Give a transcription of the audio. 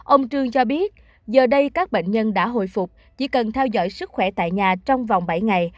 ông trương cho biết giờ đây các bệnh nhân đã hồi phục chỉ cần theo dõi sức khỏe tại nhà trong vòng bảy ngày